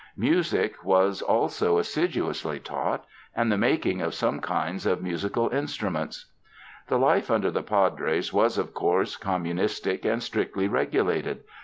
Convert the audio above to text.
Music was 154 THE FRANCISCAN MISSIONS also assiduously taught, and the making of some kinds of musical instruments. "The life under the Padres was, of course, com munistic and strictly regulated.